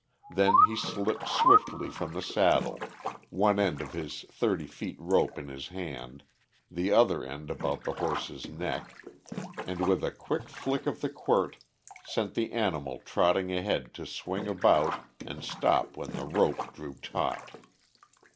Then he slipped swiftly from the saddle, one end of his thirty feet rope in his hand, the other end about the horse's neck, and with a quick flick of the quirt sent the animal trotting ahead to swing about and stop when the rope drew taut.